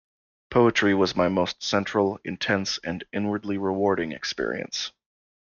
Poetry was my most central, intense and inwardly rewarding experience.